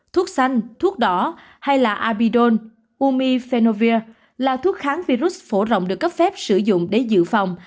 thuốc xanh thuốc đỏ hay là abidone umifelovir là thuốc kháng virus phổ rộng được cấp phép sử dụng để dự phòng